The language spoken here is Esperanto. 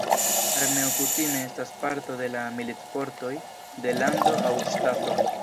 Armeo kutime estas parto de la militfortoj de lando aŭ ŝtato.